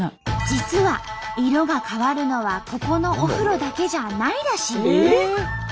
実は色が変わるのはここのお風呂だけじゃないらしい。